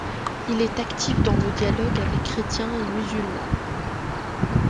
Il est actif dans le dialogue avec chrétiens et musulmans.